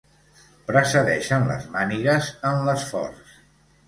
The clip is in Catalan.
Precedeixen les mànigues en l'esforç.